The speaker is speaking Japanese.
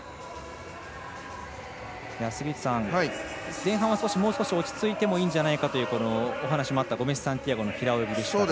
前半はもう少し落ち着いてもいいんじゃないかというこのお話もあったゴメスサンティアゴの平泳ぎでしたが。